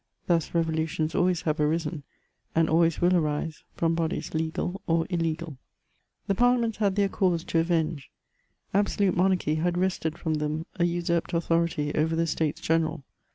Thus, revolutions always have arisen, and always will arise from bodies legal or illegal. The Parliaments had their cause to avenge ; absolute monarchy had wrested from them a usurped authority over the States General.